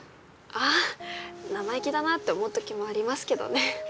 あぁ生意気だなって思う時もありますけどね。